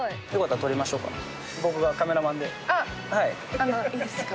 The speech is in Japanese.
あのいいですか？